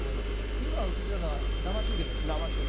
今映っているのが生中継の画ですか？